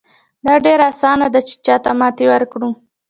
دا ډېره اسانه ده چې چاته ماتې ورکړو.